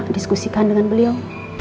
diskusikan dengan beliau